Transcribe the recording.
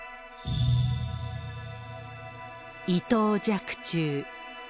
伊藤若冲。